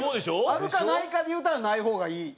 あるかないかで言うたらない方がいい？